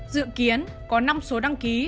dự kiến có năm số đăng ký